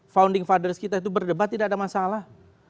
founding fathers kita itu berdebat tidak ada masalah